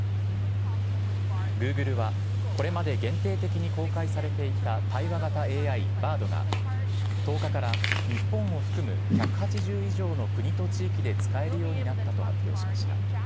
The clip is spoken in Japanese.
Ｇｏｏｇｌｅはこれまで限定的に公開されていた対話型ＡＩ・Ｂａｒｄが１０日から日本を含む１８０以上の国と地域で使えるようになったと発表しました。